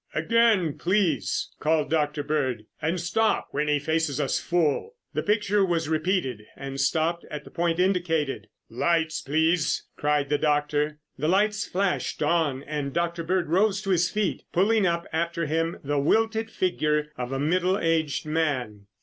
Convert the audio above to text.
"Again, please!" called Dr. Bird. "And stop when he faces us full." The picture was repeated and stopped at the point indicated. "Lights, please!" cried the doctor. The lights flashed on and Dr. Bird rose to his feet, pulling up after him the wilted figure of a middle aged man.